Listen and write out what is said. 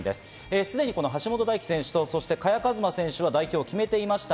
すでに橋本大輝選手と萱和磨選手は代表を決めていました。